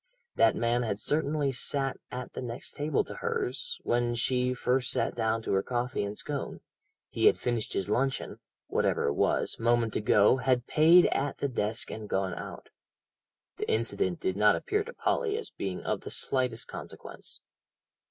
That man had certainly sat at the next table to hers, when she first sat down to her coffee and scone: he had finished his luncheon whatever it was moment ago, had paid at the desk and gone out. The incident did not appear to Polly as being of the slightest consequence.